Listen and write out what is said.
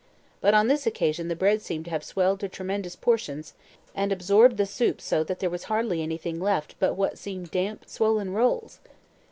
But on this occasion the bread seemed to have swelled to tremendous proportions, and absorbed the soup so that there was hardly anything but what seemed damp, swollen rolls!